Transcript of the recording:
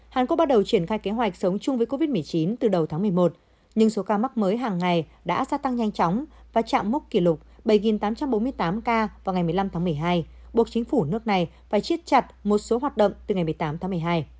hàn quốc bắt đầu triển khai kế hoạch sống chung với covid một mươi chín từ đầu tháng một mươi một nhưng số ca mắc mới hàng ngày đã gia tăng nhanh chóng và chạm mốc kỷ lục bảy tám trăm bốn mươi tám ca vào ngày một mươi năm tháng một mươi hai buộc chính phủ nước này phải chiết chặt một số hoạt động từ ngày một mươi tám tháng một mươi hai